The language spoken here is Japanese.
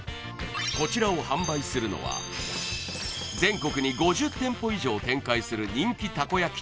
こちらを販売するのは全国に５０店舗以上展開する人気たこ焼き